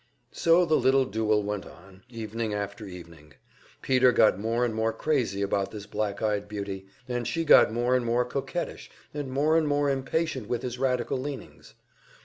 So the little duel went on, evening after evening. Peter got more and more crazy about this black eyed beauty, and she got more and more coquettish, and more and more impatient with his radical leanings.